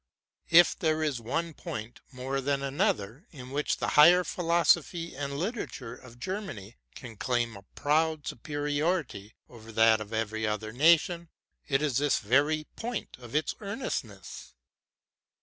If there is one point more than another in which the higher philosophy and literature of Germany can claim a proud superiority over that of every other nation, it is this very point of its earnestness.